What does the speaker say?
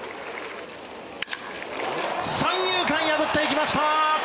三遊間破っていきました。